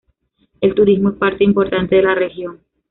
El turismo es parte importante de la región.